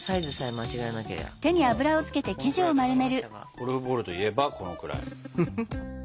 ゴルフボールといえばこのくらい。